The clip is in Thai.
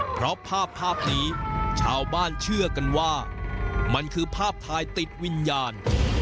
เพราะภาพภาพนี้ชาวบ้านเชื่อกันว่ามันคือภาพถ่ายติดวิญญาณ